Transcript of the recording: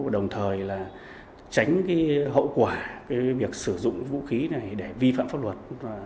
đồng thời tránh hậu quả việc sử dụng vũ khí này để vi phạm pháp luật